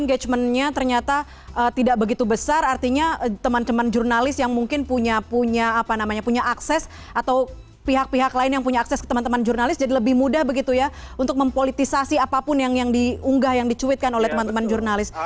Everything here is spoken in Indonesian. engagementnya ternyata tidak begitu besar artinya teman teman jurnalis yang mungkin punya apa namanya punya akses atau pihak pihak lain yang punya akses ke teman teman jurnalis jadi lebih mudah begitu ya untuk mempolitisasi apapun yang diunggah yang dicuitkan oleh teman teman jurnalis